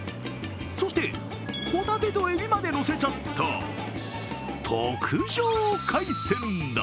そしてほたてとえびまでのせちゃった特上海鮮丼。